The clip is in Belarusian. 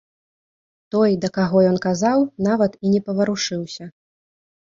Той, да каго ён казаў, нават і не паварушыўся.